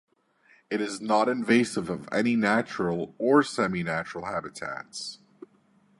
It is not invasive of any natural or seminatural habitats.